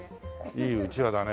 いいうちわだね。